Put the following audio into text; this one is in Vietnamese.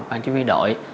bang chỉ huy đội